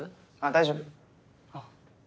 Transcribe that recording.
大丈夫。